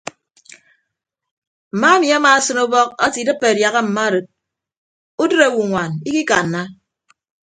Mma emi amaasịn ubọk ate idịppe adiaha mma arịd udịd owoñwaan ikikanna.